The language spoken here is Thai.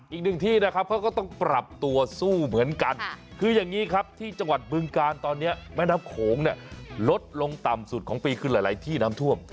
อีกหนึ่งที่นะครับเขาก็ต้องปรับตัวสู้เหมือนกันคืออย่างนี้ครับที่จังหวัดบึงการตอนนี้แม่น้ำโขงเนี่ยลดลงต่ำสุดของปีคือหลายที่น้ำท่วม